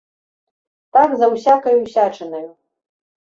Так за ўсякаю ўсячынаю.